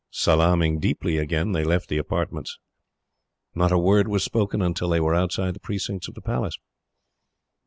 Salaaming deeply again, they left the apartments. Not a word was spoken, until they were outside the precincts of the Palace.